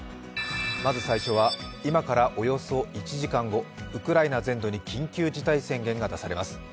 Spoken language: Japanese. まず最初は今からおよそ１時間後、ウクライナ全土に緊急事態宣言が出されます。